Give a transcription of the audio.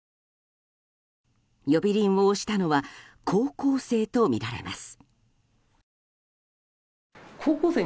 呼び鈴を押したのは高校生とみられます。